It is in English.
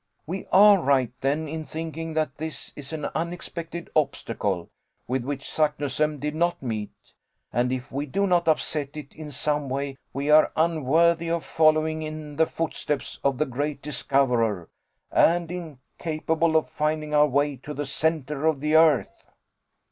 We are right, then, in thinking that this is an unexpected obstacle, with which Saknussemm did not meet; and if we do not upset it in some way, we are unworthy of following in the footsteps of the great discoverer; and incapable of finding our way to the centre of the earth!"